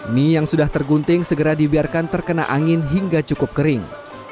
mie yang sudah tergunting segera dibiarkan terkena angin hingga cukup kering